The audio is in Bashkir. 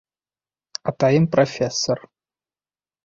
Атайым профессор